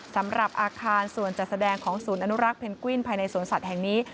สำหรับอาคารส่วนจัดแสดงของศูนย์อนุรักษ์เพนกวินภายในสวนสัตว์แห่งนี้